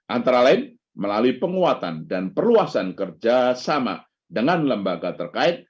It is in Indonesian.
antara lain melalui penguatan dan perluasan kerjasama dengan lembaga terkait